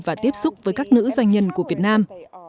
và tiếp xúc với các nữ doanh nhân của việt nam